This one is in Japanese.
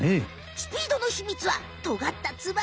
スピードのひみつはとがった翼！